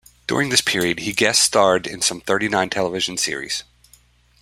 During this period, he guest starred in some thirty-nine television series.